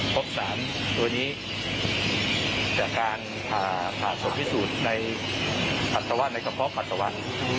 พกศาลตัวนี้จากการผ่าสมพิสูจน์ในกระพะปรัตตาวัน